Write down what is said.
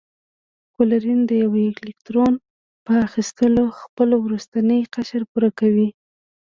کلورین د یوه الکترون په اخیستلو خپل وروستنی قشر پوره کوي.